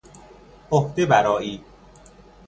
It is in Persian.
عهده برائی